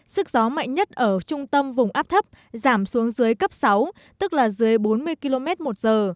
sức gió mạnh nhất ở trung tâm vùng áp thấp giảm xuống dưới cấp sáu tức là dưới bốn mươi km một giờ